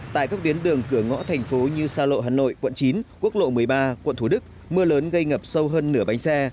tại các tuyến đường cửa ngõ thành phố như sa lộ hà nội quận chín quốc lộ một mươi ba quận thủ đức mưa lớn gây ngập sâu hơn nửa bánh xe